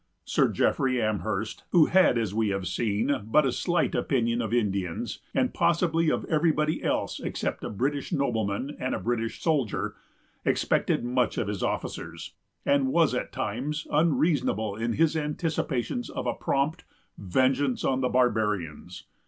Sir Jeffrey Amherst, who had, as we have seen, but a slight opinion of Indians, and possibly of everybody else except a British nobleman and a British soldier, expected much of his officers; and was at times unreasonable in his anticipations of a prompt "vengeance on the barbarians."